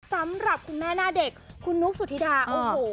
สำหรับคุณแม่หน้าเด็กคุณนุ๊กสุธิดาโอ้โห